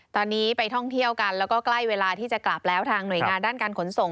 ตอนนี้ไปท่องเที่ยวกันแล้วก็ใกล้เวลาที่จะกลับแล้วทางหน่วยงานด้านการขนส่ง